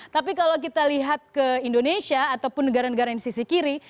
tapi kalau kita lihat ke indonesia ataupun negara negara yang di sisi kiri